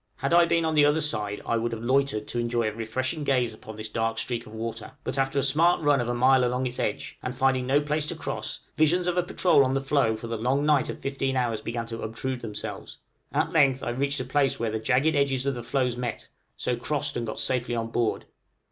Had I been on the other side I would have loitered to enjoy a refreshing gaze upon this dark streak of water; but after a smart run of about a mile along its edge, and finding no place to cross, visions of a patrol on the floe for the long night of fifteen hours began to obtrude themselves! At length I reached a place where the jagged edges of the floes met, so crossed and got safely on board.